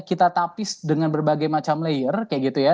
kita tapis dengan berbagai macam layer kayak gitu ya